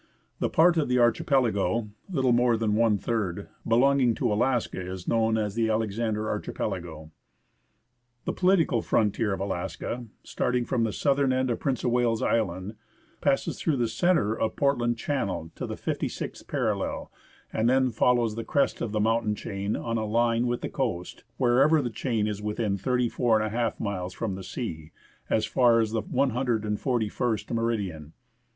The part of the archipelago (little more than one third) belonging to Alaska is known as the Alexander Archipelago. The political frontier of Alaska, starting from the southern end of Prince of Wales Island, passes through the centre of Portland Channel to the 56° parallel, and then follows the crest of the mountain chain on a line with the coast, wherever the chain is within 34|^ miles from the sea, as far as the 141° meridian.